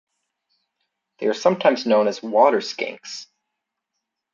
They are sometimes known as water skinks.